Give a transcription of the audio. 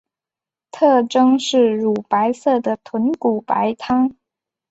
特征是乳白色的豚骨白汤。